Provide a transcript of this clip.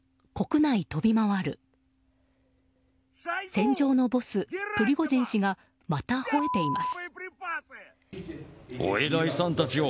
戦場のボス、プリゴジン氏がまたほえています。